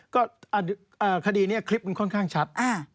ก็คดีนี้คลิปมันค่อนข้างชัด